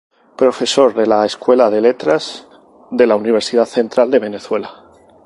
Profesor de la Escuela de Letras de la Universidad Central de Venezuela.